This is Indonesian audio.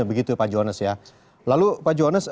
begitu ya pak jonas ya lalu pak jonas